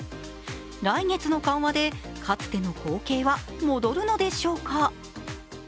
来月の緩和でかつての光景は戻るのでしょうか。